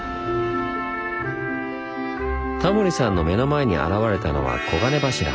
タモリさんの目の前に現れたのは黄金柱。